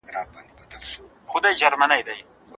په خپل ورځني ژوند کي د شريعت اصول پلي کړه.